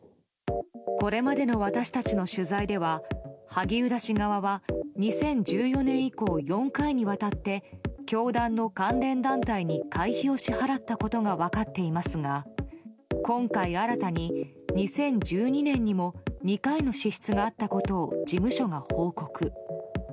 これまでの私たちの取材では萩生田氏側は２０１４年以降４回にわたって教団の関連団体に会費を支払ったことが分かっていますが今回、新たに２０１２年にも２回の支出があったことを事務所が報告。